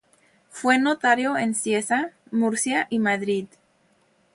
Fue notario en Cieza, Murcia y Madrid.